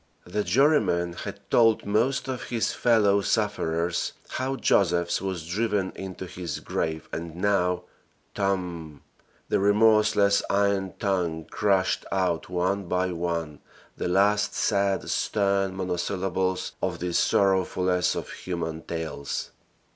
The jurymen had told most of his fellow sufferers how Josephs was driven into his grave and now "TOMB!" the remorseless iron tongue crashed out one by one the last sad, stern monosyllables of this sorrowfulest of human tales.